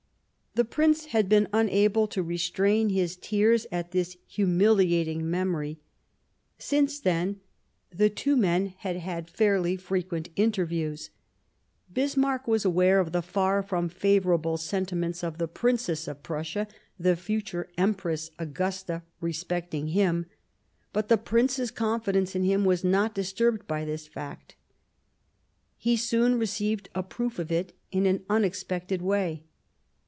The Prince had been unable to restrain his tears at this humiUating memory. Since then, the two 43 Bismarck men had had fairly frequent interviews ; Bismarck was aware of the far from favourable sentiments of the Princess of Prussia, the future Empress Augusta, respecting him ; but the Prince's confi dence in him was not disturbed by this fact. He soon received a proof of it, in an unexpected way.